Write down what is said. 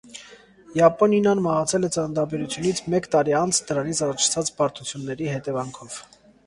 Յապոնինան մահացել է ծննդաբերությունից մեկ տարի անց դրանից առաջացած բարդությունների հետևանքով։